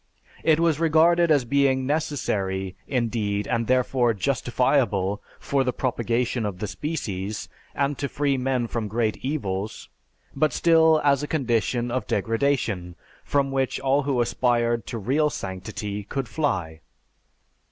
It was regarded as being necessary, indeed, and therefore justifiable, for the propagation of the species, and to free men from great evils; but still as a condition of degradation from which all who aspired to real sanctity could fly.